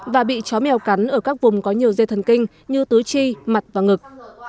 và bị chó mèo cắn ở các vùng có nhiều dây thần kinh như tứ chi mặt và ngực